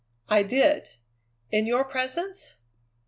"I did." "In your presence?"